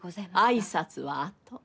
挨拶はあと。